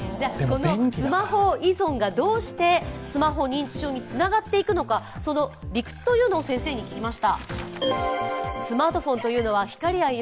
スマホ依存がどうしてスマホ認知症つながっていくのかその理屈を先生に聞きました。